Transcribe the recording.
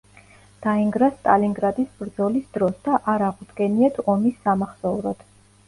დაინგრა სტალინგრადის ბრძოლის დროს და არ აღუდგენიათ ომის სამახსოვროდ.